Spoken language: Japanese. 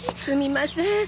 すみません。